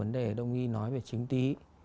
để đông nghi nói về chứng tí